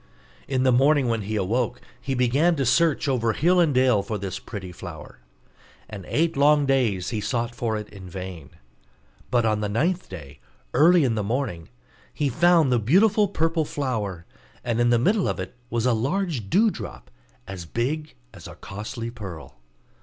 In the morning when he awoke, he began to search over hill and dale for this pretty flower; and eight long days he sought for it in vain: but on the ninth day, early in the morning, he found the beautiful purple flower; and in the middle of it was a large dewdrop, as big as a costly pearl.